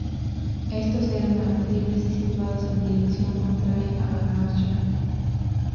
Estos eran abatibles y situados en dirección contraria a la marcha.